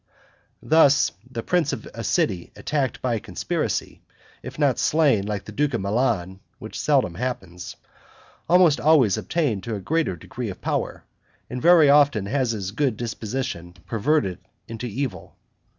Thus the prince of a city attacked by a conspiracy, if not slain like the duke of Milan (which seldom happens), almost always attains to a greater degree of power, and very often has his good disposition perverted to evil.